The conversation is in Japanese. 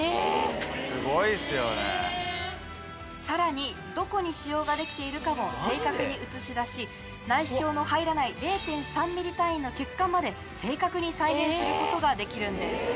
さらにどこに腫瘍が出来ているかも正確に映し出し内視鏡の入らない０．３ミリ単位の血管まで正確に再現することができるんです。